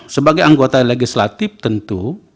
sebagai anggota legislatif tentu